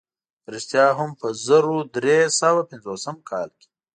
په رښتیا هم په زرو درې سوه پنځوسم کال کې.